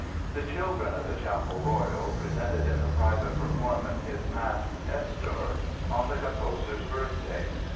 The children of the Chapel Royal presented in a private performance his masque, "Esther", on the composer's birthday.